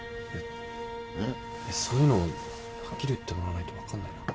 そういうのはっきり言ってもらわないと分かんないな。